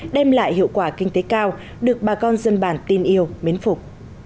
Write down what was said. đem lại hiệu quả kinh tế cao được bà con dân bản tin yêu mến phục